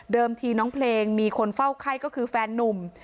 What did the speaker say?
ทีน้องเพลงมีคนเฝ้าไข้ก็คือแฟนนุ่ม